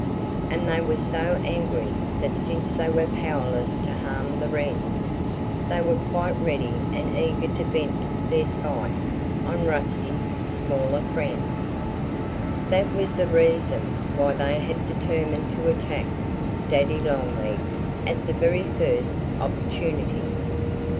And they were so angry that since they were powerless to harm the Wrens, they were quite ready and eager to vent their spite on Rusty's smaller friends. That was the reason why they had determined to attack Daddy Longlegs at the very first opportunity.